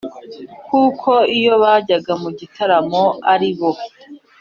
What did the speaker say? kuko iyo bajyaga mu gitaramo ari bo